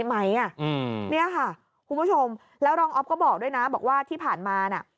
ไหมอ่ะอืมเนี่ยค่ะคุณผู้ชมแล้วรองออฟก็บอกด้วยนะบอกว่าที่ผ่านมาน่ะ